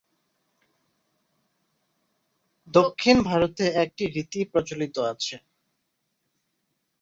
দক্ষিণ ভারতে একটি রীতি প্রচলিত আছে।